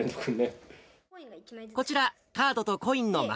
こちら、カードとコインのマ